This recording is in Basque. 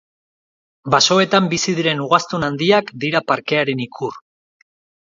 Basoetan bizi diren ugaztun handiak dira parkearen ikur.